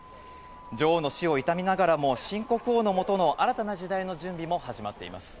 女王の死を悼みながらも新国王のもとの新たな時代の準備も始まっています。